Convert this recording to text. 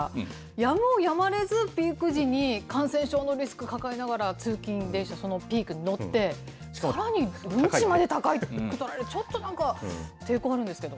やむをやまれずピーク時に感染症のリスク抱えながら通勤電車、そのピークに乗って、さらに運賃まで高いって、ちょっとなんか抵抗あるんですけど。